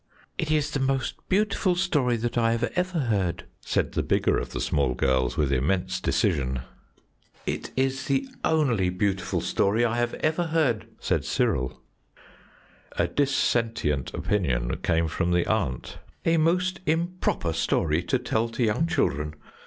"It is the most beautiful story that I ever heard," said the bigger of the small girls, with immense decision. "It is the only beautiful story I have ever heard," said Cyril. A dissentient opinion came from the aunt. "A most improper story to tell to young children!